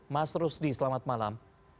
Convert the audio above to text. mas rusdi selamat malam